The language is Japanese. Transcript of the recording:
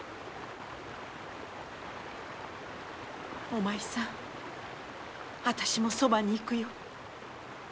お前さんアタシもそばに行くよ。